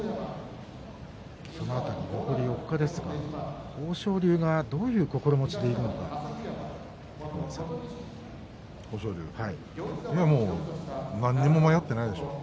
その辺り、残り４日ですが豊昇龍がどういう心持ちでいるのか九重さん、どうでしょう？